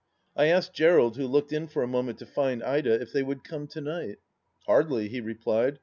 I asked Gerald, who looked in for a moment to find Ida, if they would come to night ?" Hardly," he replied.